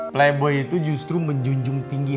playbo itu justru menjunjung tinggi